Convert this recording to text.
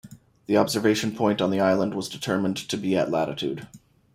The observation point on the island was determined to be at latitude.